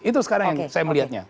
itu sekarang yang saya melihatnya